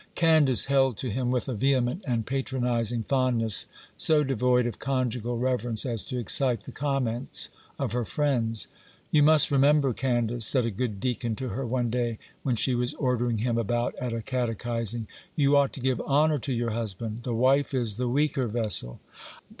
Candace held to him with a vehement and patronizing fondness, so devoid of conjugal reverence as to excite the comments of her friends. 'You must remember, Candace,' said a good deacon to her one day, when she was ordering him about at a catechizing, 'you ought to give honour to your husband; the wife is the weaker vessel.